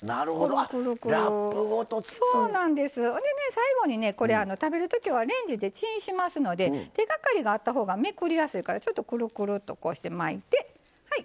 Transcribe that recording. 最後にねこれ食べる時はレンジでチンしますので手がかりがあったほうがめくりやすいからちょっとくるくるとこうして巻いてはいこれ１つ出来上がり。